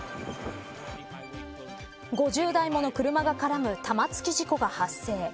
５０台もの車が絡む玉突き事故が発生。